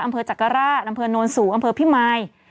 อำเภอจักรร่าอำเภอนนท์สูตรอำเภอพิมัย